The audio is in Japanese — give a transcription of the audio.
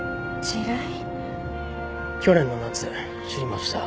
去年の夏知りました。